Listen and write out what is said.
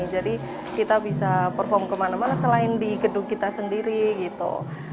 jadi kita bisa perform kemana mana selain di gedung kita sendiri gitu